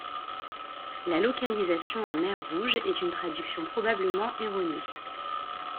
La localisation en mer Rouge est une traduction probablement erronée.